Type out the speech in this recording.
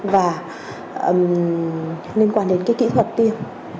và liên quan đến kỹ thuật tiêm